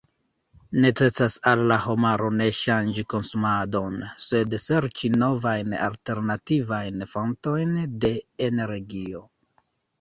Necesas al la homaro ne ŝanĝi konsumadon, sed serĉi novajn alternativajn fontojn de energio.